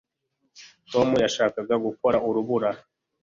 tom yashakaga gukora urubura